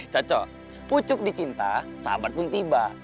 cocok pucuk di cinta sahabat pun tiba